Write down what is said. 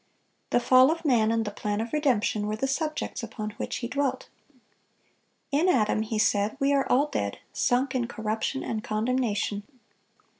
The fall of man and the plan of redemption were the subjects upon which he dwelt. "In Adam," he said, "we are all dead, sunk in corruption and condemnation."